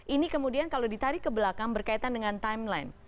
ini kemudian kalau ditarik ke belakang berkaitan dengan timeline